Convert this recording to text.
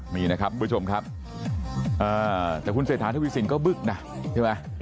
มีนะครับผู้ชมครับอ่าแต่คุณเศรษฐาทุกวิสินก็บึ๊กน่ะใช่ไหม